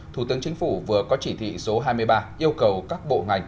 thủ tướng chính phủ vừa có chỉ thị số hai mươi ba yêu cầu các bộ ngành